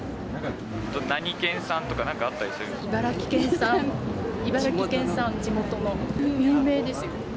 何県産とか、なんかあったり茨城県産、茨城県産、地元の。